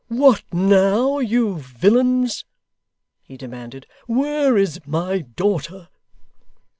'What now, you villains!' he demanded. 'Where is my daughter?